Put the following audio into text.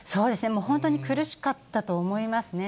もう本当に苦しかったと思いますね。